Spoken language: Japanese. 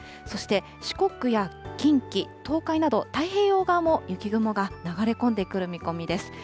そして四国や近畿、東海など、太平洋側も雪雲が流れ込んでくる見込みです。